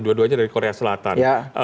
dua duanya dari korea selatan